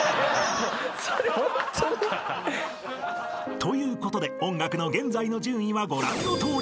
［ということで音楽の現在の順位はご覧のとおり］